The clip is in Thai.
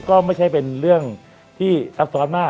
ก็ไม่ใช่เป็นเรื่องที่ซับซ้อนมาก